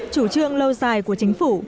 chủ trương lâu dài của chính phủ